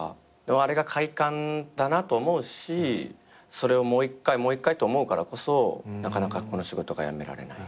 あれが快感だなと思うしそれをもう１回もう１回と思うからこそなかなかこの仕事が辞められない。